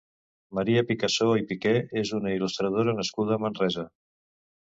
Maria Picassó i Piquer és una il·lustradora nascuda a Manresa.